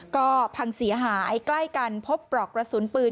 ก็พังเสียหายใกล้กันพบปลอกกระสุนปืน